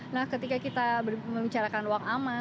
nah ketika kita membicarakan ruang aman